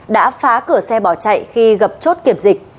đã phá cửa xe bỏ chạy khi gặp chốt kiểm dịch